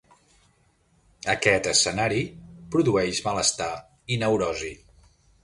Aquest escenari produeix malestar i neurosi.